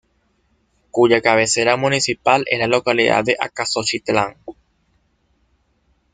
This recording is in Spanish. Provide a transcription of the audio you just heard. Cuya cabecera municipal es la localidad de Acaxochitlán.